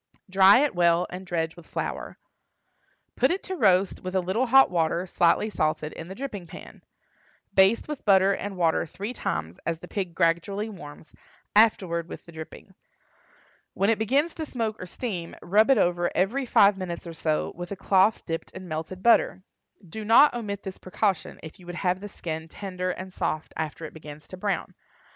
Dry it well, and dredge with flour. Put it to roast with a little hot water, slightly salted, in the dripping pan. Baste with butter and water three times, as the pig gradually warms, afterward with the dripping. When it begins to smoke or steam, rub it over every five minutes or so, with a cloth dipped in melted butter. Do not omit this precaution if you would have the skin tender and soft after it begins to brown.